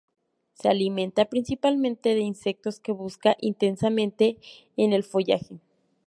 Se alimenta principalmente de insectos que busca intensamente en el follaje.